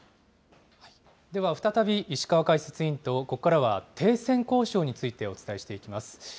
では再び石川解説委員と、ここからは停戦交渉についてお伝えしていきます。